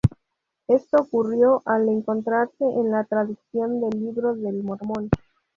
Esto ocurrió al encontrarse en la traducción del Libro de Mormón.